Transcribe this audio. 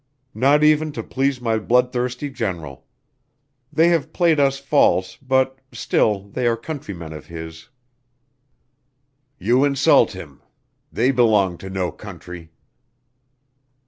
"Not even to please my bloodthirsty general. They have played us false but still they are countrymen of his." "You insult him. They belong to no country."